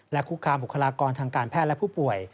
คุกคามบุคลากรทางการแพทย์และผู้ป่วย